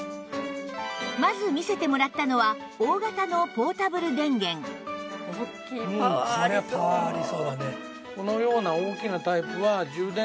まず見せてもらったのはパワーありそうだね。